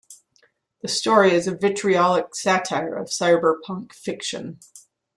The story is a vitriolic satire of cyberpunk fiction.